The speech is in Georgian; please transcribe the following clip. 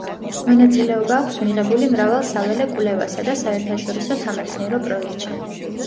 მონაწილეობა აქვს მიღებული მრავალ საველე კვლევასა და საერთაშორისო სამეცნიერო პროექტში.